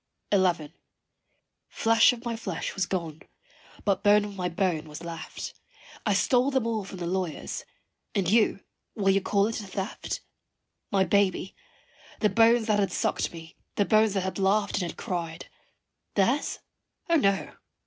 XI. Flesh of my flesh was gone, but bone of my bone was left I stole them all from the lawyers and you, will you call it a theft? My baby, the bones that had sucked me, the bones that had laughed and had cried Theirs? O no!